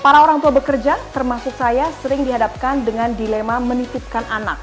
para orang tua bekerja termasuk saya sering dihadapkan dengan dilema menitipkan anak